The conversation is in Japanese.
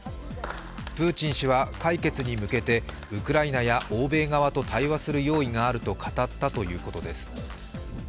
プーチン氏は解決に向けてウクライナや欧米側と対話する用意があると語ったということです。